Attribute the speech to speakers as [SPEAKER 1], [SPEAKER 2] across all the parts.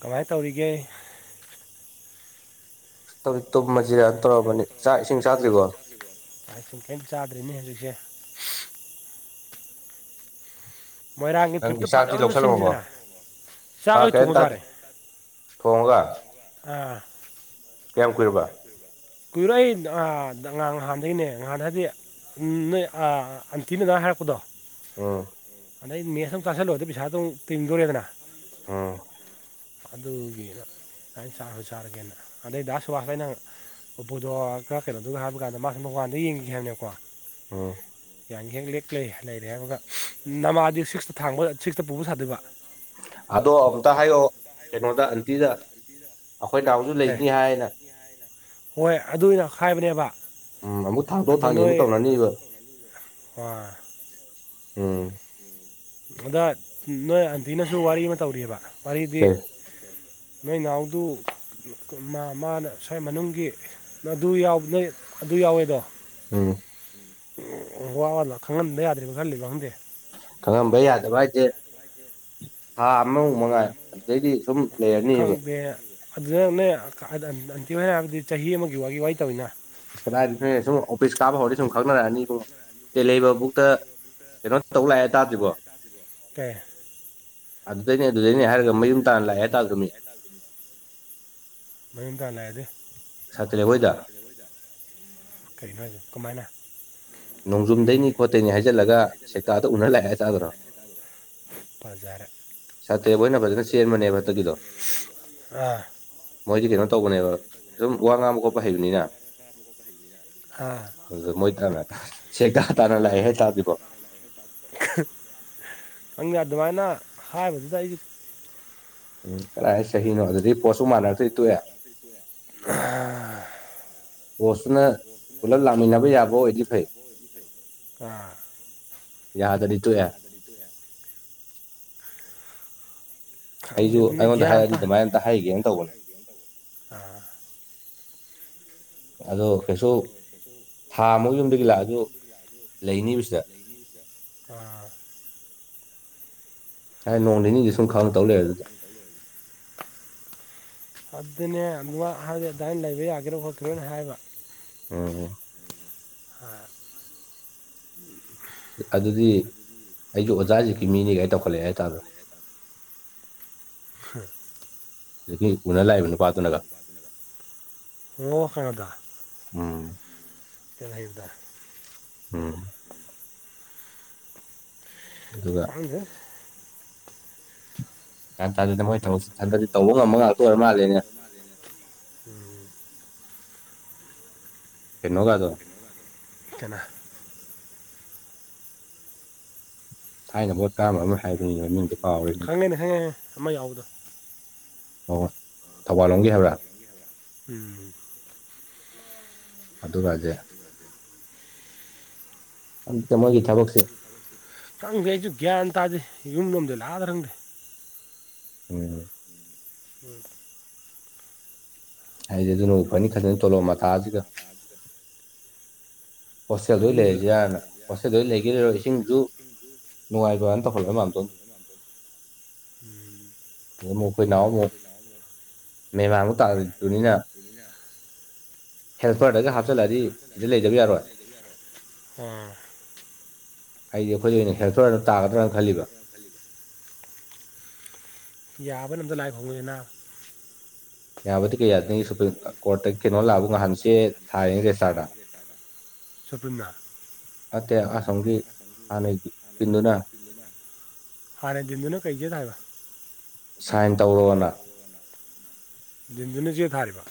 [SPEAKER 1] ꯀꯃꯥꯏꯅ ꯇꯧꯔꯤꯒꯦ
[SPEAKER 2] ꯇꯧꯔꯤ ꯇꯨꯝꯕꯁꯤꯗ ꯇꯧꯔꯔꯕꯅꯤ ꯆꯥꯛ ꯏꯁꯤꯡ ꯆꯥꯗ꯭ꯔꯤꯀꯣ
[SPEAKER 1] ꯁ ꯀꯩꯝꯇ ꯆꯥꯗ꯭ꯔꯤꯅꯦ ꯍꯧꯖꯤꯛꯁꯦ ꯃꯣꯏꯔꯥꯡꯒꯤ
[SPEAKER 2] ꯅꯪ
[SPEAKER 1] ꯐꯤꯞꯇ
[SPEAKER 2] ꯁꯥꯇꯤ
[SPEAKER 1] ꯐꯖꯕ ꯑꯃ
[SPEAKER 2] ꯂꯧꯁꯜꯂꯃꯕꯣ
[SPEAKER 1] ꯁꯤꯟꯁꯤꯗꯅ
[SPEAKER 2] ꯍꯥ
[SPEAKER 1] ꯆꯥꯛ ꯑꯩ
[SPEAKER 2] ꯀꯔꯤ
[SPEAKER 1] ꯊꯣꯡ
[SPEAKER 2] ꯇꯗ
[SPEAKER 1] ꯆꯥꯔꯦ
[SPEAKER 2] ꯊꯣꯡꯂꯥ
[SPEAKER 1] ꯑꯥ
[SPEAKER 2] ꯀꯦꯝ ꯀ
[SPEAKER 1] ꯀꯨꯏꯔꯛ ꯑꯩ ꯉꯥꯡ ꯅꯍꯥꯟꯗꯒꯤꯅꯦ ꯉꯍꯥꯟ ꯍꯥꯏꯗꯤ ꯎꯝ ꯅꯣꯏ ꯑꯟꯇꯤꯅ ꯅ ꯍꯥꯏꯔꯛꯄꯗꯣ
[SPEAKER 2] ꯎ
[SPEAKER 1] ꯑꯗꯩ ꯃꯦꯠꯁ ꯑꯃꯝ ꯆꯥꯁꯤꯜꯂꯣꯑꯣ ꯑꯗꯨ ꯄꯩꯁꯥꯗꯝ ꯇꯤꯡꯗꯣꯔꯦꯗꯅ
[SPEAKER 2] ꯎꯝ
[SPEAKER 1] ꯑꯗꯨꯒꯤꯅ ꯅꯥꯏꯩꯅ ꯆꯥꯔꯁꯨ ꯆꯥꯔꯒꯦꯅ ꯑꯗꯩ ꯗꯥꯁꯨ ꯋꯥꯈꯦ ꯅꯪ ꯑꯣꯞꯄꯣꯗꯣ ꯀꯩꯅꯣꯗꯨꯒ ꯍꯥꯏꯕ ꯀꯥꯟꯗ ꯃꯥꯁ ꯃꯄꯥꯟꯗ ꯌꯦꯡꯈꯤꯈꯤꯕ ꯍꯥꯏꯕꯅꯦꯀꯣ
[SPEAKER 2] ꯑꯣ
[SPEAKER 1] ꯌꯥꯡ ꯍꯦꯡ ꯂꯦꯛꯂ ꯂꯩꯔꯦ ꯍꯥꯏꯕꯒ ꯅꯃꯥꯗꯤ ꯁꯤꯛꯁꯇ ꯊꯥꯡꯕ ꯁꯤꯛꯁꯇ ꯄꯨꯕ ꯁꯥꯗꯣꯏꯕ
[SPEAKER 2] ꯑꯗꯣ ꯑꯨꯇ ꯍꯥꯏꯌꯛꯑꯣ ꯀꯩꯅꯣꯗ ꯑꯟꯇꯤꯗ ꯑꯩꯈꯣꯏ ꯅꯅꯥꯎꯁꯨ
[SPEAKER 1] ꯑꯦ
[SPEAKER 2] ꯂꯩꯅꯤ ꯍꯥꯏꯅ
[SPEAKER 1] ꯍꯣꯏ ꯑꯗꯨꯅ ꯍꯥꯏꯥꯏꯕꯅꯦꯕ
[SPEAKER 2] ꯎꯝ ꯑꯃꯨꯛ ꯊꯥꯡꯗꯣꯛ ꯊꯥꯡꯒꯦ ꯑꯃꯨꯛ ꯇꯧꯅꯅꯤꯕ
[SPEAKER 1] ꯑꯥ
[SPEAKER 2] ꯎꯝ
[SPEAKER 1] ꯑꯗ ꯅꯣꯏ ꯑꯟꯇꯤꯅꯁꯨ ꯋꯥꯔꯤ ꯑꯃ ꯇꯧꯔꯤꯑꯕ ꯋꯥꯔꯤꯗꯤ
[SPEAKER 2] ꯀꯩ
[SPEAKER 1] ꯅꯣꯏ ꯏ ꯅꯅꯥꯎꯗꯨ ꯃꯥ ꯃꯥꯅ ꯁ꯭ꯋꯥꯏ ꯃꯅꯨꯡꯒꯤ ꯑꯗꯨ ꯅꯣꯏ ꯑꯗꯨ ꯌꯥꯎꯋꯦꯗꯣ
[SPEAKER 2] ꯎꯝ
[SPEAKER 1] ꯎ ꯋꯥ ꯑꯅ ꯈꯪꯍꯟꯕ ꯌꯥꯗ꯭ꯔꯔꯤꯕꯅ ꯈꯜꯂꯤꯕꯣ ꯈꯪꯗꯦ
[SPEAKER 2] ꯈꯪꯉꯕ ꯌꯥꯗꯕ ꯍꯥꯏꯁꯦ ꯊꯥ ꯑꯃꯃꯨꯛ ꯃꯉꯥꯏ ꯑꯗꯨꯗꯩꯗꯤ ꯁꯨꯝ ꯂꯩꯔꯅꯤꯕ
[SPEAKER 1] ꯈꯪꯗꯦ ꯑꯗꯨꯗꯅꯦ ꯑꯟꯇꯤ ꯍ ꯍꯥꯏꯔꯕꯗꯤ ꯆꯍꯤ ꯑꯃꯒꯤ ꯋꯥꯒꯤ ꯋꯥ ꯇꯧꯋꯤꯅ
[SPEAKER 2] ꯑ ꯀꯗꯥꯏꯗꯒꯤ ꯐ ꯁꯨꯝ ꯑꯣꯐꯤꯁ ꯀꯥꯕ ꯍꯧꯔꯗꯤ ꯁꯨꯝ ꯈꯪꯅꯔꯛꯑꯅꯤ ꯏꯕꯨꯡꯣ ꯑ ꯂꯩꯕ ꯕꯨꯛꯇ ꯀꯩꯅꯣ ꯇꯧ ꯂꯥꯛꯑꯦ ꯍꯥꯏꯇꯥꯥꯔꯗꯤꯔꯤꯕꯣ
[SPEAKER 1] ꯄꯦ
[SPEAKER 2] ꯑꯗꯨꯗꯩꯅꯦ ꯑꯗꯨꯗꯩꯅꯦ ꯍꯥꯏꯔꯒ ꯃꯌꯨꯝ ꯇꯥꯅ ꯂꯥꯛꯑꯦ ꯍꯥꯏꯇꯥꯗ꯭ꯔꯅꯤ
[SPEAKER 1] ꯃꯅꯤꯝꯀꯅꯑꯗ
[SPEAKER 2] ꯁꯥꯇꯤꯂꯩ ꯍꯣꯏꯗ
[SPEAKER 1] ꯀꯔꯤꯅꯣ ꯍꯥꯏꯗ ꯀꯃꯥꯏꯅ
[SPEAKER 2] ꯅꯣꯡꯖꯨꯝꯗꯩꯅꯤ ꯈꯣꯠꯇꯩꯅꯤ ꯍꯥꯏꯖꯤꯜꯂꯒ ꯁꯦꯛꯇꯥꯗ ꯎꯅꯔ ꯂꯥꯛꯑꯦ ꯆꯥꯗꯅꯣ
[SPEAKER 1] ꯖꯔ
[SPEAKER 2] ꯁꯥꯇ꯭ꯔꯦꯕꯣꯏꯅ ꯐꯖꯅ ꯆꯦꯟꯕꯅꯦ ꯐꯠꯇꯒꯤꯗꯣ
[SPEAKER 1] ꯑꯥ
[SPEAKER 2] ꯃꯣꯏꯗꯤ ꯀꯩꯅꯣ ꯇꯧꯕꯅꯦꯕ ꯁꯨꯝ ꯋꯥ ꯉꯥꯡꯕ ꯈꯣꯠꯄ ꯍꯩꯕꯅꯤꯅ
[SPEAKER 1] ꯀꯔ ꯑꯃꯨ ꯍꯥꯏꯦ
[SPEAKER 2] ꯑꯗꯨ ꯃꯣꯏ ꯇꯅ ꯁꯦꯀꯥ ꯇꯥꯅ ꯂꯥꯛꯑꯦ ꯍ ꯇꯥꯗꯕꯣ
[SPEAKER 1] ꯅꯪꯅ ꯑꯗꯨꯃꯥꯏꯅ ꯍꯥꯏꯕꯗꯨꯗ ꯑꯩꯁ
[SPEAKER 2] ꯎꯝ ꯀꯗꯥꯥꯏ ꯆꯍꯤꯅꯣ ꯑꯗꯨꯗꯤꯩ ꯄꯣꯠꯁꯨ ꯃꯥꯟꯅꯔꯛꯇꯣꯏ ꯇꯣꯛꯑꯦ
[SPEAKER 1] ꯑ
[SPEAKER 2] ꯄꯣꯁꯇꯨꯅ ꯄꯨꯂꯞ ꯂꯥꯛꯃꯤꯟꯅꯕ ꯌꯥꯕ ꯑꯣꯏꯗꯤ ꯐꯩ
[SPEAKER 1] ꯑꯥ
[SPEAKER 2] ꯌꯥꯗꯔꯤꯠꯇꯨ ꯌꯥ
[SPEAKER 1] ꯔꯤ ꯇꯦ ꯈꯪꯗꯦ
[SPEAKER 2] ꯑꯩꯁꯨ
[SPEAKER 1] ꯑꯗꯨꯅ
[SPEAKER 2] ꯑꯩꯉꯣꯟꯗ ꯍꯥꯏ
[SPEAKER 1] ꯒ꯭ꯌꯥꯟ ꯇꯥꯗꯦ
[SPEAKER 2] ꯑꯗꯨꯗꯤꯃꯥꯏ ꯇ ꯍꯥꯏꯩꯒꯦꯅ ꯇꯧꯕꯅꯤ
[SPEAKER 1] ꯑꯥ
[SPEAKER 2] ꯑꯗꯣ ꯀꯩꯁꯨ
[SPEAKER 1] ꯑꯗ ꯀꯩꯁꯨ
[SPEAKER 2] ꯊꯥ ꯑꯃꯨꯛ ꯌꯨꯝꯗꯒꯤ
[SPEAKER 1] ꯊꯥ ꯑꯃ
[SPEAKER 2] ꯂꯥꯛꯑꯁꯨ
[SPEAKER 1] ꯌꯨꯝꯗꯤ ꯂꯥꯛꯑꯁꯨ
[SPEAKER 2] ꯂꯩꯅꯤꯕ ꯁꯤꯗ
[SPEAKER 1] ꯂꯩꯕꯤꯁꯤꯗ ꯑ
[SPEAKER 2] ꯍꯥꯏ ꯅꯣꯡ ꯅꯤꯅꯤꯗꯤ
[SPEAKER 1] ꯑꯦ
[SPEAKER 2] ꯁꯨꯝ
[SPEAKER 1] ꯂ
[SPEAKER 2] ꯈꯪ ꯇꯧ ꯂꯩꯔꯦ ꯑꯗꯨꯗ
[SPEAKER 1] ꯆ ꯍꯥꯏ ꯑꯗꯨꯅꯦ ꯑꯗꯨ ꯍꯥꯏꯗꯤ ꯑꯗꯨꯃꯥꯏꯅ ꯂꯩꯕ ꯌꯥꯒꯦꯔꯥ ꯈꯣꯠꯀꯦꯔꯦꯅ ꯍꯥꯏꯕ
[SPEAKER 2] ꯎꯝꯝ
[SPEAKER 1] ꯑ
[SPEAKER 2] ꯑꯗꯨꯗꯤ ꯑꯩꯁꯨ ꯑꯣꯖꯥꯖꯤꯛꯀꯤ ꯃꯤꯅꯤꯒꯥꯏ ꯇꯧꯈꯠꯂꯛꯑꯦ ꯍꯥꯏꯇꯥꯔꯦ ꯍꯧꯖꯤꯛꯀꯤ ꯎꯅ ꯂꯥꯛꯏꯕ
[SPEAKER 1] ꯄꯨꯅ ꯂꯥꯛꯕ
[SPEAKER 2] ꯅꯨꯄꯥꯗꯨꯅꯒ
[SPEAKER 1] ꯅꯨꯄꯥꯗꯨꯅꯒ ꯍꯣꯡꯉꯣꯀꯗ
[SPEAKER 2] ꯎꯝ
[SPEAKER 1] ꯄꯔꯗꯗ
[SPEAKER 2] ꯎꯝ ꯑꯗꯨꯒ
[SPEAKER 1] ꯀꯪꯦ
[SPEAKER 2] ꯒ꯭ꯌꯥꯟꯥꯗꯅ ꯃꯣꯏ ꯊꯕꯛꯁꯤ ꯊꯟꯗꯠꯗꯤ ꯇꯧꯕ ꯉꯝꯕ ꯉꯥꯛꯇ ꯑꯣꯏꯔ ꯃꯥꯜꯂꯦꯅꯦ
[SPEAKER 1] ꯎꯝ
[SPEAKER 2] ꯀꯩꯅꯣꯒꯗꯣ
[SPEAKER 1] ꯏ ꯀꯅꯥ
[SPEAKER 2] ꯊꯥꯏꯅ ꯚꯣꯠ ꯀꯥꯝꯕ ꯑꯃ ꯍꯥꯏꯕꯅꯤꯅꯦ ꯃꯃꯤꯡꯗꯣ ꯀꯥꯎꯔꯦꯅꯦ
[SPEAKER 1] ꯈꯪꯉꯦꯅꯦ ꯈꯪꯉꯦ ꯑꯃ ꯌꯥꯎꯕꯗꯣ
[SPEAKER 2] ꯑꯣꯣꯏ ꯊꯧꯕꯥꯜ ꯂꯣꯝꯒꯤ ꯍꯥꯏꯕ꯭ꯔꯥ
[SPEAKER 1] ꯎꯝ
[SPEAKER 2] ꯑꯗꯨꯒꯁꯦ ꯑꯛꯇ ꯃꯣꯏꯒꯤ ꯊꯕꯛꯁꯦ
[SPEAKER 1] ꯈꯪꯗꯦ ꯑꯩꯁꯨ ꯒ꯭ꯌꯥꯟ ꯇꯥꯗꯦ ꯌꯨꯝ ꯂꯣꯝꯗ ꯂꯥꯗ ꯈꯪꯗꯦ
[SPEAKER 2] ꯎꯝ
[SPEAKER 1] ꯎꯝ
[SPEAKER 2] ꯍꯥꯏꯁꯦ ꯑꯗꯨꯅ ꯎ ꯐꯅꯤ ꯈꯖꯅ ꯇꯣꯂꯣꯑꯣ ꯃꯊꯥꯁꯤꯒ
[SPEAKER 1] ꯈꯪꯗꯦ
[SPEAKER 2] ꯍꯣꯁꯇꯦꯜꯗ
[SPEAKER 1] ꯌꯨꯝꯗ ꯂꯥꯛ
[SPEAKER 2] ꯂꯩꯔꯁꯤꯥꯅ ꯍꯣꯁꯇꯦꯜꯗ ꯂꯩꯈꯤꯗꯔꯣ ꯏꯁꯤꯡꯁꯨ ꯅꯨꯡꯉꯥꯏꯕꯅ ꯇꯧꯍꯜꯂꯦ ꯃꯌꯥꯝꯗꯣꯝ
[SPEAKER 1] ꯎꯝ
[SPEAKER 2] ꯑꯗꯨ ꯑꯃꯨ ꯑꯩꯈꯣꯏ ꯅꯍꯎ ꯑꯃꯨꯛ ꯃꯦ ꯃꯃꯨꯛ ꯇꯥꯛꯇꯅꯤꯅ ꯍꯦꯜꯄꯔꯗꯒ ꯍꯥꯞꯆꯤꯜꯂꯗꯤ ꯁꯤꯗ ꯂꯩꯗꯕ ꯌꯥꯔꯣꯏ
[SPEAKER 1] ꯑ
[SPEAKER 2] ꯍꯥꯏꯗꯤ ꯑꯩꯈꯣꯏꯗ ꯑꯣꯏꯅ ꯍꯦꯜꯞꯇꯔꯅ ꯇꯥꯒꯗ꯭ꯔꯥꯅ ꯈꯜꯂꯤꯕ
[SPEAKER 1] ꯌꯥꯕꯅ ꯑꯝꯗ ꯂꯥꯏꯛ ꯍꯣꯡꯉꯅꯤꯅ
[SPEAKER 2] ꯌꯥꯕꯗꯤ ꯀꯌꯥꯗꯒꯤ ꯁꯨꯄ꯭ꯔꯤꯝ ꯀꯣꯔꯠꯇꯒꯤ ꯀꯩꯅꯣ
[SPEAKER 1] ꯌꯥ
[SPEAKER 2] ꯂꯥꯛꯑꯕ ꯅꯍꯥꯟ ꯆꯦ
[SPEAKER 1] ꯀꯇꯅꯟꯇꯦ
[SPEAKER 2] ꯊꯥꯏꯅꯤ ꯔꯦꯁꯇꯥꯔꯗ
[SPEAKER 1] ꯍꯥꯏꯥ ꯀꯦꯇꯗ ꯁꯄꯟꯅ
[SPEAKER 2] ꯑ
[SPEAKER 1] ꯍꯥꯟꯅꯗꯨꯅ ꯀꯩꯦ ꯊꯒ
[SPEAKER 2] ꯁꯥꯏꯟ ꯇꯧ
[SPEAKER 1] ꯟꯗꯨꯅ ꯆꯦ ꯊꯥꯔꯤꯕ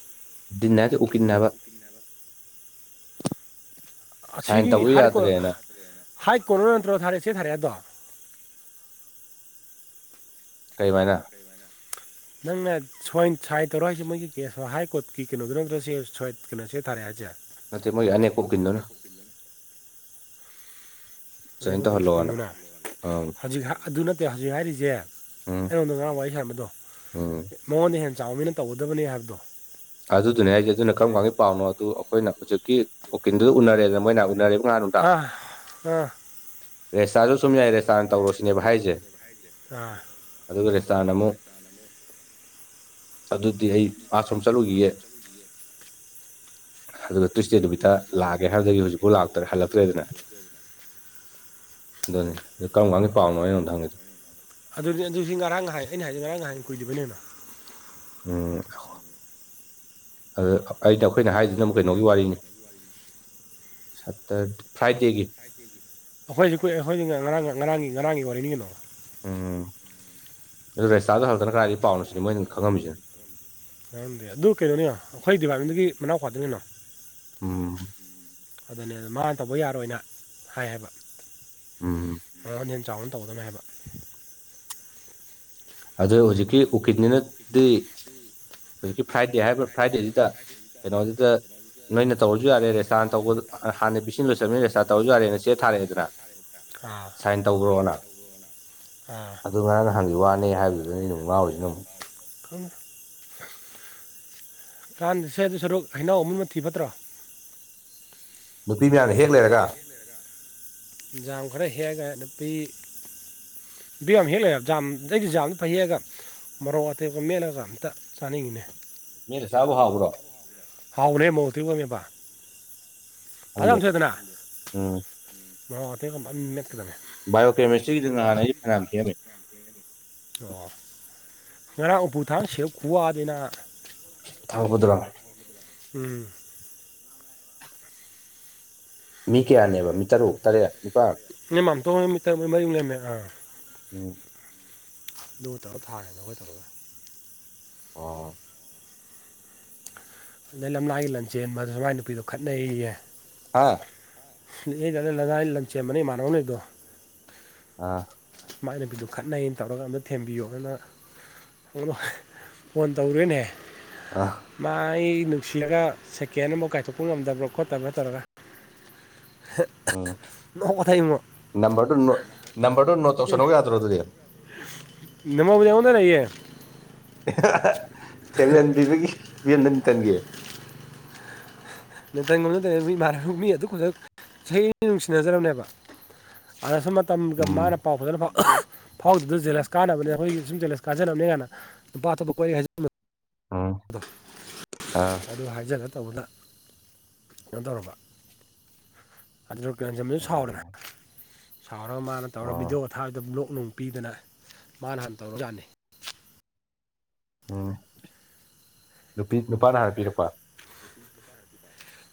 [SPEAKER 2] ꯟꯅ ꯎ ꯀꯟꯅꯕ ꯁꯥꯏꯟ
[SPEAKER 1] ꯑꯁꯤꯒꯤ
[SPEAKER 2] ꯇꯧꯕ
[SPEAKER 1] ꯍꯥꯏ ꯀꯣ
[SPEAKER 2] ꯌꯥꯗ꯭ꯔꯦꯅ
[SPEAKER 1] ꯍꯥꯏ ꯀꯣꯅ ꯅꯠꯇ꯭ꯔꯣ ꯊꯥꯔꯛꯑꯦ ꯆꯦ ꯊꯥꯔꯛꯦ ꯑꯗꯣ
[SPEAKER 2] ꯀꯩꯃꯥꯏꯅ
[SPEAKER 1] ꯅꯪꯅ ꯁ ꯁꯥꯏ ꯇꯧꯔ ꯍꯥꯏꯁꯦ ꯃꯣꯏꯒꯤ ꯀꯦꯁ ꯍꯥꯏ ꯀꯣꯔꯠꯀꯤ ꯀꯩꯅꯣꯗꯨꯣ ꯅ ꯀꯩꯅꯣ ꯁꯦ ꯊꯥꯔꯛꯦ ꯍꯥꯏꯁꯦ
[SPEAKER 2] ꯅꯠꯇꯦ ꯃꯣꯏ ꯌꯥ ꯑꯅꯤ ꯑꯩ ꯀꯣ ꯀꯤꯟꯗꯨꯅ
[SPEAKER 1] ꯃ
[SPEAKER 2] ꯁꯥꯏꯟ
[SPEAKER 1] ꯀꯔꯤ
[SPEAKER 2] ꯇꯧꯍꯜꯂꯣꯅ
[SPEAKER 1] ꯆꯟꯗꯨꯅ
[SPEAKER 2] ꯑꯪ
[SPEAKER 1] ꯍꯧꯖꯤꯛ ꯑꯗꯨ ꯅꯠꯇꯦ ꯍꯧꯖꯤꯛ ꯍꯥꯏꯔꯤꯁꯦ
[SPEAKER 2] ꯎꯝ
[SPEAKER 1] ꯑꯩꯉꯣꯟꯗ ꯉꯔꯥꯡ ꯋꯥꯔꯤ ꯍꯦꯟꯕꯗꯣ
[SPEAKER 2] ꯎꯝ
[SPEAKER 1] ꯃꯉꯣꯟꯗ ꯍꯦꯟꯅ ꯆꯥꯎꯕꯅꯤꯅ ꯇꯧꯒꯗꯕꯅꯤ ꯍꯥꯏꯕꯗꯣ
[SPEAKER 2] ꯑꯗꯨꯗꯨꯅꯦ ꯍꯥꯏꯁꯦ ꯑꯗꯨꯅ ꯀꯔꯝ ꯀꯥꯟꯒꯤ ꯄꯥꯎꯅꯣ ꯑꯗꯨ ꯑꯩꯈꯣꯏꯅ ꯍꯧꯖꯤꯛꯀꯤ ꯑꯣꯀꯤꯡꯗꯨ ꯎꯅꯔꯦꯗꯅ ꯃꯣꯏꯅ ꯎꯅꯔꯦ ꯉꯥꯅꯨꯗ
[SPEAKER 1] ꯑꯥ ꯑꯥ
[SPEAKER 2] ꯔꯦꯁꯁꯇꯥꯔꯁꯨ ꯁꯨꯝ ꯌꯥꯏ ꯔꯦꯁꯇꯥꯔꯅ ꯇꯧꯔꯣꯁꯤꯅꯦꯕ ꯍꯥꯏꯁꯦ
[SPEAKER 1] ꯑꯥ
[SPEAKER 2] ꯑꯗꯨꯒ ꯔꯦꯁꯇꯥꯅ ꯑꯃꯨꯛ ꯑꯗꯨꯗꯤ ꯑꯩ ꯆꯠꯨꯒꯤ
[SPEAKER 1] [unintelligible]
[SPEAKER 2] ꯑꯗꯨꯒ ꯇꯨꯏꯁꯗꯦ ꯅꯨꯃꯤꯠꯇ ꯂꯥꯛꯑꯒꯦ ꯍꯥꯏꯕꯗꯒꯤ ꯍꯧꯖꯤꯛꯐꯥꯎ ꯂꯥꯛꯇ꯭ꯔꯦ ꯍꯜꯂꯛꯇ꯭ꯔꯦꯗꯅ ꯑꯗꯨꯅꯤ ꯀꯔꯝ ꯀꯥꯟꯒꯤ ꯄꯥꯎꯅꯣꯩꯅꯣꯣꯟꯇꯪꯦꯗꯣ
[SPEAKER 1] ꯑꯗꯨ ꯑꯗꯨꯗꯤ ꯉꯔꯥꯡ ꯉꯥꯏꯍꯥꯏ ꯑꯩꯅ ꯍꯥꯏꯗꯤ ꯉꯔꯥꯡ ꯉꯥꯏꯍꯥꯏ ꯀꯨꯏꯕꯅꯦꯅ
[SPEAKER 2] ꯎꯝ ꯑꯗꯨꯗ ꯑꯩꯅ ꯑꯩꯈꯣꯏꯅ ꯍꯥꯏꯖꯤꯅ ꯑꯃꯨꯛ ꯀꯩꯅꯣꯒꯤ ꯋꯥꯔꯤꯅꯤ ꯁꯠꯇꯔ ꯐ꯭ꯔꯥꯏꯗꯦꯒꯤ
[SPEAKER 1] ꯐ꯭ꯔꯥꯏꯗꯦꯒꯤ ꯑꯩꯈꯣꯏꯁꯤ ꯀꯨꯏꯔꯦ ꯑꯩꯈꯣꯏꯗꯤ ꯉꯔꯥꯡ ꯉꯔꯥꯡꯒꯤ ꯉꯔꯥꯡꯒꯤ ꯋꯥꯔꯤꯅꯤ ꯀꯩꯅꯣ
[SPEAKER 2] ꯎꯝ ꯑꯗꯨ ꯔꯦꯁꯇꯥꯔꯗꯣ ꯍꯜꯂꯛꯇꯅ ꯀꯗꯥꯏꯗꯒꯤ ꯄꯥꯎꯅꯣ ꯁꯤꯅꯤ ꯃꯣꯏꯅ ꯈꯪꯉꯝꯃꯤꯁꯤꯅ
[SPEAKER 1] ꯈꯪꯗꯦ ꯑꯗꯨ ꯀꯩꯅꯣꯅꯤ ꯑꯩꯈꯣꯏ ꯗꯤꯄꯥꯔꯠꯃꯦꯟꯗꯒꯤ ꯃꯅꯥꯎꯄꯥ ꯗꯨ ꯀꯩꯅꯣ
[SPEAKER 2] ꯎꯝ
[SPEAKER 1] ꯑꯗꯨꯅꯦ ꯑꯗ ꯃꯥꯅ ꯇꯧꯕ ꯌꯥꯔꯣꯏꯅ ꯍꯥꯏ ꯍꯥꯏꯕ
[SPEAKER 2] ꯎꯝ
[SPEAKER 1] ꯃꯉꯣꯟ ꯍꯦꯟ ꯆꯥꯎꯕꯅ__ ꯇꯧꯒꯗꯕꯅꯦ ꯍꯥꯏꯕ
[SPEAKER 2] ꯑꯗꯨ ꯍꯧꯖꯤꯛꯀꯤ ꯎꯀꯤꯟꯗꯨꯅꯗꯤ ꯍꯧꯖꯤꯛꯀꯤ ꯐ꯭ꯔꯥꯏꯗꯦ ꯍꯥꯏꯔꯤꯕ ꯐ꯭ꯔꯥꯏꯗꯦꯁꯤꯗ ꯀꯩꯅꯣꯖꯤꯗ ꯅꯣꯏꯅ ꯇꯧꯔꯁꯨ ꯌꯥꯔꯦ ꯔꯦꯁꯇꯥꯔꯅ ꯇꯧꯕ ꯍꯥꯟꯅ ꯄꯤꯁꯤꯟꯕ ꯆꯪꯉꯦ ꯔꯦꯁꯇꯥꯔꯅ ꯇꯧꯔꯁꯨ ꯌꯥꯔꯦꯅ ꯆꯦ ꯊꯔꯛꯑꯦꯗꯅ
[SPEAKER 1] ꯑꯥ
[SPEAKER 2] ꯇꯧꯒ꯭ꯔꯣꯅ
[SPEAKER 1] ꯑꯥ
[SPEAKER 2] ꯑꯗꯨꯒ ꯅꯍꯥꯟꯒꯤ ꯋꯥꯅꯦ ꯍꯥꯏꯕꯗꯨꯗꯅꯤ ꯑꯩꯅ ꯑꯃꯨꯛ ꯉꯥꯎꯔꯤꯁꯤꯅ ꯑꯃꯨꯛ
[SPEAKER 1] ꯈꯪ [unintelligible] ꯀꯥꯟꯗꯦꯁꯦ ꯑꯗꯨ ꯁꯔꯨꯛ ꯍꯩꯅꯧ ꯑꯃꯨꯟꯕ ꯊꯤ ꯐꯠꯇ꯭ꯔꯣ
[SPEAKER 2] ꯅꯨꯄꯤ ꯃꯌꯥꯝꯅ ꯍꯦꯛ ꯂꯩꯔꯒ
[SPEAKER 1] ꯖꯝ ꯈꯔ ꯍꯦꯛꯑꯒ ꯅꯨꯄꯤ ꯕꯦꯛ ꯌꯥꯝ ꯍꯦꯛ ꯂꯩꯑꯦꯕ ꯖꯥꯝ ꯑꯩꯗꯤ ꯖꯥꯝꯗ ꯐꯩꯌꯦ ꯍꯑꯒ ꯃꯔꯣꯛ ꯑꯇꯦꯛꯄ ꯃꯦꯜꯂꯒ ꯑꯝꯇ ꯆꯥꯅꯤꯡꯉꯤꯅꯦ
[SPEAKER 2] ꯃꯦꯠꯂ ꯆꯥꯕꯨ ꯍꯥꯥꯎꯕ꯭ꯔꯣ
[SPEAKER 1] ꯍꯥꯎꯕꯅꯦꯍꯦ ꯃꯣꯔꯣꯛ ꯑꯇꯦꯛꯄꯒ ꯃꯦꯠꯄ ꯐ
[SPEAKER 2] ꯈꯪꯗꯦ
[SPEAKER 1] ꯆꯥꯝ ꯊꯣꯛꯑꯦꯗꯅ ꯎꯝ ꯃꯣꯔꯣꯛ ꯑꯇꯦꯛꯄꯒ ꯐꯟ ꯃꯦꯠꯀꯗꯕꯅꯦ
[SPEAKER 2] ꯕꯥꯏꯑꯣꯀꯦꯃꯤꯁꯇ꯭ꯔꯤꯒꯤꯗꯨ ꯅꯍꯥꯟ ꯑꯩꯖꯨ ꯐꯅꯌꯥꯝ ꯍꯦꯛ ꯑꯝꯃꯦ
[SPEAKER 1] ꯑꯣ ꯉꯔꯥꯡ ꯎꯄꯨ ꯊꯥꯡ ꯁꯦꯞ ꯈꯨꯋꯥꯑ ꯗꯤꯅꯥ
[SPEAKER 2] ꯊꯥꯡꯕꯗꯨꯔꯣ
[SPEAKER 1] ꯎꯝ
[SPEAKER 2] ꯃꯤ ꯀꯌꯥꯅꯦꯕ ꯃꯤ ꯇꯔꯨꯛ ꯇꯔꯦꯠ ꯅꯤꯄꯥꯟ
[SPEAKER 1] [unintelligible]
[SPEAKER 2] ꯎꯝ
[SPEAKER 1] ꯅꯣꯏ ꯇꯔꯨꯛ ꯑꯝ ꯊꯥꯔꯦꯗꯅ ꯑꯈꯣꯏ ꯇꯔꯨꯛ ꯑꯃ
[SPEAKER 2] ꯑꯣ ꯑꯣ
[SPEAKER 1] ꯑꯗꯩ ꯂꯥꯝꯂꯏꯒꯤ ꯂꯟꯆꯦꯟꯕ ꯗꯨꯁꯨ ꯃꯥꯏ ꯅꯨꯄꯤꯗꯣ ꯈꯠꯅꯩꯌꯦ ꯌꯦ
[SPEAKER 2] ꯑꯥ
[SPEAKER 1] [unintelligible] ꯂꯟꯆꯦꯟꯕꯅ ꯏꯃꯥꯟꯕ ꯑꯃ ꯂꯩꯕꯗꯣ
[SPEAKER 2] ꯑꯥ
[SPEAKER 1] ꯃꯥꯏ ꯅꯨꯄꯤꯗꯨ ꯈꯠꯅꯩꯩꯌꯦꯅ ꯇꯧꯔꯒ ꯑꯃꯨꯛ ꯊꯦꯝꯕꯤꯌꯣꯅ [unintelligible] ꯐꯣꯟ ꯇꯧꯔꯦꯅꯦ
[SPEAKER 2] ꯑ
[SPEAKER 1] ꯃꯥ ꯑꯩ ꯅꯨꯡꯁꯤꯅꯔꯒ ꯁꯦꯀꯦꯟ ꯑꯝꯕꯧ ꯀꯥꯏꯊꯣꯛꯄ ꯉꯝꯗꯕ꯭ꯔꯥ ꯈꯣꯠꯇꯕ꯭ꯔꯥ ꯇꯧꯔꯒ [unintelligible]
[SPEAKER 2] ꯎꯝ
[SPEAKER 1] ꯅꯣꯛꯀꯊꯩꯉꯣ
[SPEAKER 2] ꯅꯝꯕꯔꯗꯨ ꯅꯣꯠ ꯅꯝꯕꯔꯗꯨ ꯅꯣꯠ ꯇꯧꯁꯟꯍꯧ ꯌꯥꯗ꯭ꯔꯣ ꯑꯗꯨꯗꯤ
[SPEAKER 1] ꯅꯝꯕꯔꯕꯨꯗꯤ ꯑꯩꯉꯣꯟꯗ ꯂꯩꯌꯦ
[SPEAKER 2] [unintelligible] ꯊꯦꯝꯖꯟ ꯄꯤꯕꯒꯤ ꯊꯦꯝꯗꯟ ꯀꯟꯒꯦ
[SPEAKER 1] [unintelligible] ꯃꯤ ꯑꯗꯨꯛ ꯐꯖꯅ ꯆꯍꯤ ꯑꯅꯤ ꯅꯨꯡꯁꯤꯅꯖꯔꯕꯅꯦꯕ ꯑꯗ ꯁꯨꯝ ꯃꯇꯝꯒ
[SPEAKER 2] ꯎꯝ
[SPEAKER 1] ꯃꯥꯅ ꯄꯥꯎ ꯐꯖꯥꯅ ꯐꯥꯎ [unintelligible] ꯐꯥꯎꯗ꯭ꯔꯤꯗꯣ ꯖꯦꯂꯁ ꯀꯥꯟꯅꯕꯅꯦ ꯑꯩꯈꯣꯏꯒꯤ ꯁꯨꯝ ꯖꯦꯂꯁ ꯀꯥꯖꯅꯕꯅꯦ ꯀꯥꯏꯅ ꯅꯨꯨꯄꯥ ꯑꯇꯣꯞꯄ ꯀꯣꯏꯔꯦꯒ ꯍꯥꯏꯖꯤꯟꯕꯗꯣ
[SPEAKER 2] ꯑꯣ
[SPEAKER 1] ꯑꯗꯣ ꯑꯗꯨ ꯍꯥꯏꯖꯂ ꯇꯧꯕꯅ ꯀꯩꯅꯣ ꯇꯧꯔꯕ ꯑꯗꯨꯗ ꯀꯩꯅꯣ ꯂꯟꯆꯦꯟꯕꯁꯨ ꯁꯥꯎꯔꯦꯅ ꯁꯥꯎꯔꯒ ꯃꯥꯅ ꯇꯧꯔ
[SPEAKER 2] ꯑꯣ
[SPEAKER 1] ꯚꯤꯗꯤꯑꯣ ꯊꯥꯗ ꯕ꯭ꯂꯣꯛ ꯅꯨꯡ ꯄꯤꯗꯅ ꯃꯥꯅ ꯍꯥꯟ ꯇꯧꯔꯕꯖꯛꯅꯤ꯫
[SPEAKER 2] ꯎꯝ ꯅꯨꯄꯤ ꯅꯨꯄꯥꯅ ꯍꯥꯟꯅ ꯄꯤꯔꯛꯄ꯫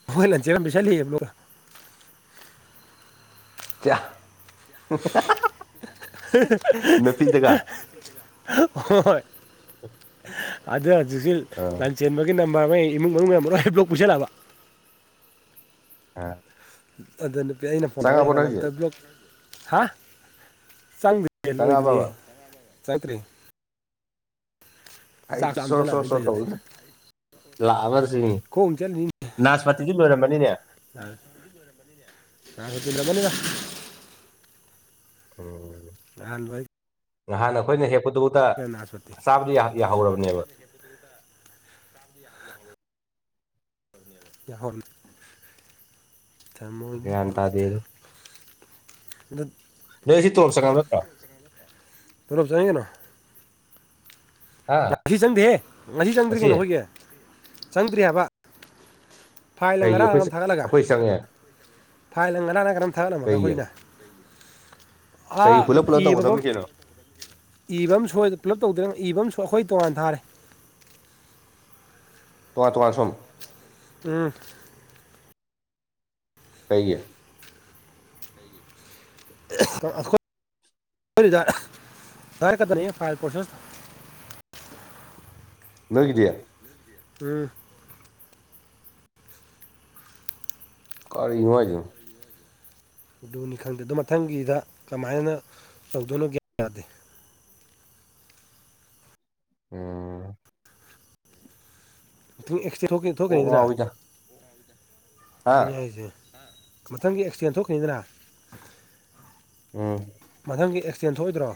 [SPEAKER 1] [unintelligible]
[SPEAKER 2] [unintelligible]
[SPEAKER 1] [unintelligible]
[SPEAKER 2] ꯅꯨꯄꯤꯗꯒ
[SPEAKER 1] [unintelligible] ꯆꯦꯟꯕꯒꯤ ꯅꯝꯕꯔꯉ ꯏꯃꯨꯡ ꯃꯅꯨꯡ ꯂꯣꯏ ꯍ ꯕ꯭ꯂꯣꯛ ꯄꯨꯁꯤꯜꯂꯑꯕ
[SPEAKER 2] ꯑ
[SPEAKER 1] ꯑꯗ ꯅꯨꯄꯤ ꯑꯩꯅ ꯐꯣꯟ ꯇꯧꯔ ꯋꯥꯔꯤ
[SPEAKER 2] ꯅꯣꯏꯒꯤ
[SPEAKER 1] ꯁꯟꯅꯔ ꯕ꯭ꯂꯣꯛ ꯍꯥ ꯆꯪꯗꯦ꯫ ꯍ ꯂꯣꯏꯗ꯭ꯔꯤꯌꯦ
[SPEAKER 2] ꯆꯪꯉꯛꯑꯕꯕ
[SPEAKER 1] ꯆꯪꯗ꯭ꯔꯤ꯫
[SPEAKER 2] ꯑꯩ
[SPEAKER 1] ꯆꯥꯛ
[SPEAKER 2] ꯁꯣ ꯁꯣ
[SPEAKER 1] ꯆꯥꯝꯖꯜꯂꯛꯑꯕꯅꯤ
[SPEAKER 2] ꯁꯣ
[SPEAKER 1] ꯇꯧꯔꯤꯁꯦ
[SPEAKER 2] ꯇꯧꯕꯗꯨꯗ ꯂꯥꯛꯑꯕꯁꯤꯅꯤ꯫
[SPEAKER 1] ꯈꯣꯡ ꯆꯠꯂꯤꯅꯤ
[SPEAKER 2] ꯅꯥꯖ ꯄꯥꯇꯤꯗꯤ ꯂꯣꯏꯔꯝꯃꯅꯤꯅꯦ꯫
[SPEAKER 1] [unintelligible]
[SPEAKER 2] ꯎꯝ
[SPEAKER 1] [unintelligible]
[SPEAKER 2] ꯅꯍꯥꯟ ꯑꯩꯈꯣꯏꯅ ꯍꯦꯛꯄꯗꯨꯗ
[SPEAKER 1] ꯑꯩ ꯅꯥꯁꯄꯇꯤ
[SPEAKER 2] ꯆꯥꯕꯗꯤ ꯌꯥꯗꯤ ꯌꯥꯍꯧꯔꯕꯅꯦꯕ꯫
[SPEAKER 1] [inaudible] [inaudible] ꯌꯥꯍꯜ ꯊꯥꯃꯣꯢ
[SPEAKER 2] ꯒ꯭ꯌꯥꯟ ꯇꯥꯗꯦ
[SPEAKER 1] ꯃꯈꯣꯟꯗ
[SPEAKER 2] ꯑꯗꯣ
[SPEAKER 1] [inaudible]
[SPEAKER 2] ꯅꯣꯏꯁꯤ ꯇꯣꯂꯣꯞ ꯆꯪꯉꯛꯑꯕ ꯅꯠꯇ꯭ꯔꯣ
[SPEAKER 1] ꯇꯣꯂꯣꯞ ꯆꯪꯉꯛꯑꯦ ꯀꯩꯅꯣ
[SPEAKER 2] ꯑ
[SPEAKER 1] ꯉꯁꯤ ꯆꯪꯗꯦꯍꯦ ꯉꯁꯤ ꯆꯪꯗ꯭ꯔꯤ ꯀꯩꯅꯣ ꯑꯩꯈꯣꯏꯒꯤ ꯆꯪꯗ꯭ꯔꯤ ꯍꯥꯏꯕ ꯐꯥꯏꯜꯅ
[SPEAKER 2] ꯀꯩꯒꯤ ꯑꯩꯈꯣꯏ
[SPEAKER 1] ꯉꯔꯥꯡꯅ
[SPEAKER 2] ꯆ-
[SPEAKER 1] ꯊꯥꯒꯠꯂꯒ
[SPEAKER 2] ꯑꯩꯈꯣꯏ ꯆꯪꯉꯦ
[SPEAKER 1] ꯐꯥꯏꯜꯅ ꯉꯔꯥꯡꯂ ꯀꯩꯅꯣꯝ ꯊꯥꯒꯠꯂꯝꯃꯒ
[SPEAKER 2] ꯀꯩꯒꯤ
[SPEAKER 1] ꯑꯩꯈꯣꯏꯒꯤꯅ
[SPEAKER 2] ꯀꯩ
[SPEAKER 1] ꯑ
[SPEAKER 2] ꯄꯨꯂꯞ ꯄꯨꯂꯞ
[SPEAKER 1] ꯏꯕꯕꯝ
[SPEAKER 2] ꯇꯧꯒꯗꯕꯅꯤ ꯀꯩꯅꯣ
[SPEAKER 1] ꯏꯕ ꯑꯃ ꯁꯣꯏ ꯄꯨꯂꯞ ꯇꯧꯗꯅ ꯏꯕ ꯑꯃ ꯑꯩꯈꯣꯏ ꯇꯣꯉꯥꯟ ꯊꯥꯔꯦ꯫
[SPEAKER 2] ꯇꯣꯉꯥꯟ ꯇꯣꯉꯥꯟ ꯁꯨꯝ
[SPEAKER 1] ꯎꯝ
[SPEAKER 2] ꯀꯩꯒꯤ꯫
[SPEAKER 1] [unintelligible]
[SPEAKER 2] ꯅꯣꯏꯒꯤꯗꯤ
[SPEAKER 1] ꯎꯝ
[SPEAKER 2] ꯀꯔꯤꯅꯣ ꯍꯥꯏꯁꯤꯕꯣ
[SPEAKER 1] ꯑꯗꯨꯅꯤ ꯈꯪꯗꯦ ꯑꯗꯨꯣ ꯃꯊꯪꯒꯤꯗ ꯀꯃꯥꯏꯅ ꯇꯧꯗꯣꯏꯅꯣꯒ꯭ꯌꯥ ꯇꯥꯗꯦ꯫
[SPEAKER 2] ꯎꯝ
[SPEAKER 1] ꯈꯤꯇꯪ ꯑꯦꯛꯁꯗꯦꯟ
[SPEAKER 2] ꯀꯣꯛ
[SPEAKER 1] ꯊꯣꯛꯀꯅꯤꯗꯅ
[SPEAKER 2] ꯉꯥꯎꯋꯤꯗ ꯍꯥ
[SPEAKER 1] ꯑꯗꯨꯅꯤ ꯍꯥꯏꯁꯦ꯫ ꯃꯊꯪꯒꯤ ꯑꯦꯛꯁꯗꯦꯟ ꯊꯣꯛꯈꯅꯤꯗꯅ
[SPEAKER 2] ꯎꯝ
[SPEAKER 1] ꯃꯊꯪꯒꯤ ꯑꯦꯛꯁꯇꯦꯟ ꯊꯣꯛꯏꯗ꯭ꯔꯣ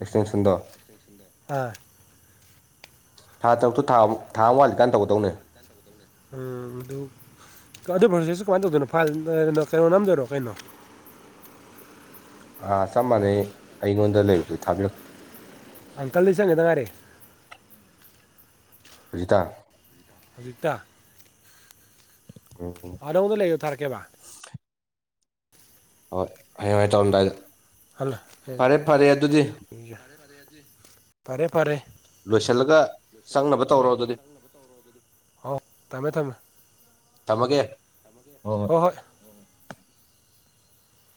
[SPEAKER 2] ꯑꯦꯛꯁꯇꯦꯟꯁꯟꯗꯣ
[SPEAKER 1] ꯑ
[SPEAKER 2] ꯊꯥ ꯇꯔꯨꯛꯇꯨ ꯊꯥ ꯊꯥ ꯑꯃ ꯋꯥꯠꯂꯤꯀꯥꯟ ꯇꯧꯒꯗꯧꯅꯦ꯫
[SPEAKER 1] ꯎꯝ ꯑꯗꯨ ꯑꯗꯨ ꯄ꯭ꯔꯣꯁꯤꯁꯨ ꯀꯃꯥꯏꯅ ꯇꯧꯗꯣꯏꯅꯣ ꯀꯩꯅꯣ ꯅꯝꯗꯣꯏꯔꯣ ꯀꯩꯅꯣ
[SPEAKER 2] ꯑꯥ ꯆꯞ ꯃꯥꯟꯅꯩ ꯑꯩꯉꯣꯟꯗ ꯂꯩꯕꯗꯨ ꯊꯥꯕꯤꯔꯛ
[SPEAKER 1] ꯑꯪꯀꯜꯗ ꯆꯪꯒꯗ ꯉꯥꯏꯔꯦ꯫
[SPEAKER 2] ꯍꯧꯖꯤꯇꯥ
[SPEAKER 1] ꯍꯥꯑꯣꯖꯤꯛꯇ
[SPEAKER 2] ꯑꯣ
[SPEAKER 1] ꯑ ꯅꯧꯗ ꯂꯩꯌꯣ ꯊꯥꯔꯛꯀꯦꯕ
[SPEAKER 2] ꯍꯣꯏ ꯍꯌꯦꯡꯉꯥꯏ ꯇꯧꯔꯝꯗꯥꯏꯗ
[SPEAKER 1] ꯍꯜꯂ
[SPEAKER 2] ꯐꯔꯦ ꯐꯔꯦ ꯑꯗꯨꯗꯤ
[SPEAKER 1] ꯐꯔꯦ ꯐꯔꯦ
[SPEAKER 2] ꯂꯣꯏꯁꯤꯜꯂꯒ ꯆꯪꯅꯕ ꯇꯧꯔꯣ ꯑꯗꯨꯗꯤ
[SPEAKER 1] ꯍꯥꯎ ꯊꯃꯦ ꯊꯃꯦ
[SPEAKER 2] ꯊꯃꯒꯦ
[SPEAKER 1] ꯍꯣꯏ ꯍꯣꯏ